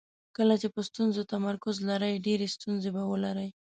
کله چې په ستونزو تمرکز لرئ ډېرې ستونزې به ولرئ.